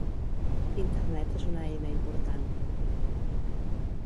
Internet és una eina important.